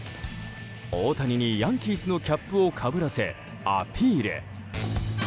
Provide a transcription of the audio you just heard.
大谷にヤンキースのキャップをかぶらせ、アピール。